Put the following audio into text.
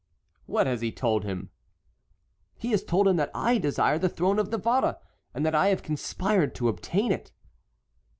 "What has he told him?" "He has told him that I desire the throne of Navarre, and that I have conspired to obtain it."